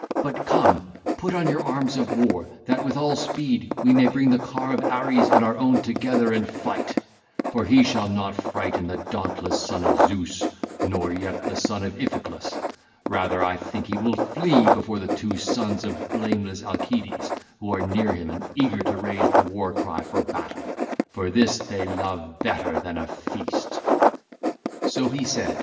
But come, put on your arms of war that with all speed we may bring the car of Ares and our own together and fight; for he shall not frighten the dauntless son of Zeus, nor yet the son of Iphiclus: rather, I think he will flee before the two sons of blameless Alcides who are near him and eager to raise the war cry for battle; for this they love better than a feast.' (ll. 115 117) So he said.